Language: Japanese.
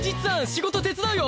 仕事手伝うよ！